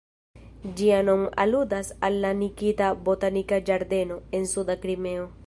Ĝia nom aludas al la Nikita botanika ĝardeno, en suda Krimeo.